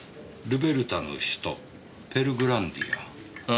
「ルベルタの首都ペルグランディア」